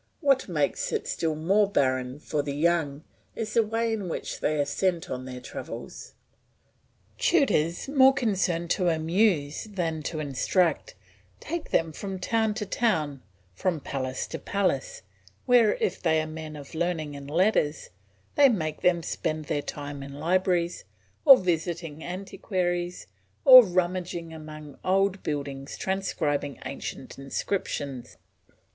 What makes it still more barren for the young is the way in which they are sent on their travels. Tutors, more concerned to amuse than to instruct, take them from town to town, from palace to palace, where if they are men of learning and letters, they make them spend their time in libraries, or visiting antiquaries, or rummaging among old buildings transcribing ancient inscriptions.